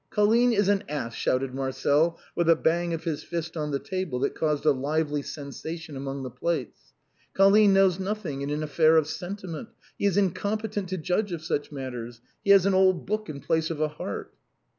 " Colline is an ass !" shouted Marcel, with a bang of his fist on the table that caused a livel}^ sensation among the plates. " Colline knows nothing in an affair of sentiment ; he is incompetent to judge of such matters ; he has an old book in place of a heart."